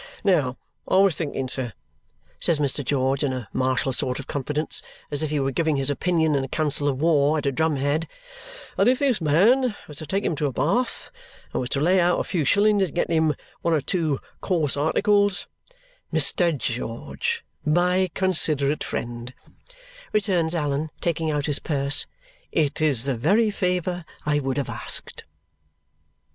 "Now I was thinking, sir," says Mr. George in a martial sort of confidence, as if he were giving his opinion in a council of war at a drum head, "that if this man was to take him to a bath and was to lay out a few shillings in getting him one or two coarse articles " "Mr. George, my considerate friend," returns Allan, taking out his purse, "it is the very favour I would have asked."